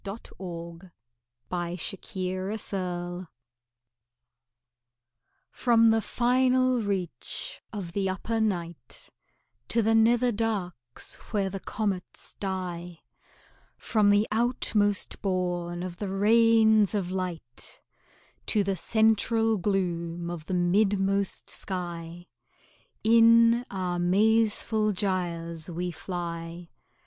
THE SONG OF THE STARS From the final reach of the upper night To the nether darks where the comets die, From the outmost bourn of the reigns of light To the central gloom of the midmost sky, In our mazeful gyres we fly.